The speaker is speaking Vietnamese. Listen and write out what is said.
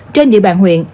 trên địa bàn huyện